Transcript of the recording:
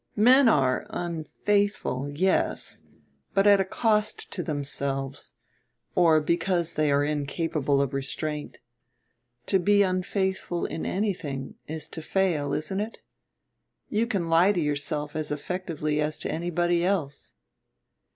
Men are unfaithful, yes; but at a cost to themselves, or because they are incapable of restraint. To be unfaithful in anything is to fail, isn't it? You can lie to yourself as effectively as to anybody else."